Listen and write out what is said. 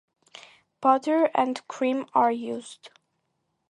Butter and cream are used.